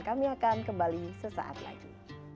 kami akan kembali sesaat lagi